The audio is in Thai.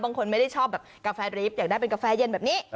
ไม่ได้ชอบแบบกาแฟรีฟอยากได้เป็นกาแฟเย็นแบบนี้